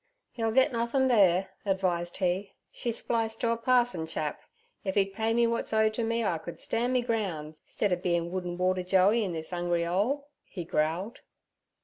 'Yer'll get nothin' there' advised he. 'She's spliced to a parson chap. If he'd pay me wot's owe to me I could stan' me groun', 'stead er bein' wood—and water Joey in this 'ungery 'ole' he growled.